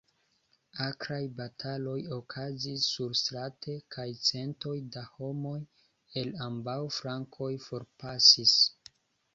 Akraj bataloj okazis surstrate, kaj centoj da homoj el ambaŭ flankoj forpasis.